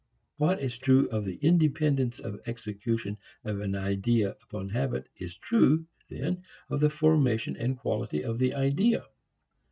What is true of the dependence of execution of an idea upon habit is true, then, of the formation and quality of the idea.